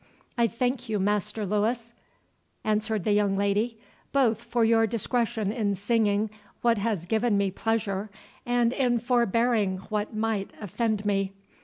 "I thank you, Master Louis," answered the young lady, "both for your discretion in singing what has given me pleasure, and in forbearing what might offend me.